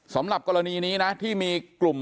สำหรับกรณีนี้นะที่มี